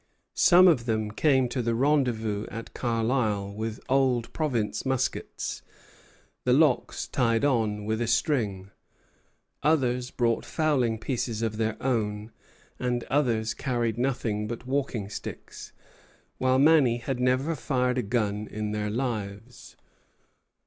Some of them came to the rendezvous at Carlisle with old province muskets, the locks tied on with a string; others brought fowling pieces of their own, and others carried nothing but walking sticks; while many had never fired a gun in their lives.